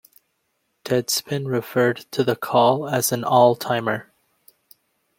Deadspin referred to the call as an All Timer.